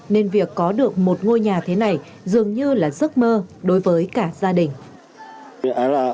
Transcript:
nên việc có được một ngôi nhà thế này dường như là giấc mơ đối với cả gia đình